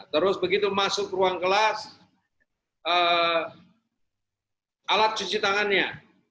terus begitu masuk ruang kelas alat cuci tangannya